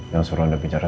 yang suruh anda bicara